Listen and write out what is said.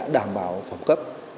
đảm bảo phòng cấp